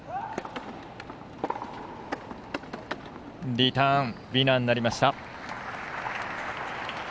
リターンウィナーになりました。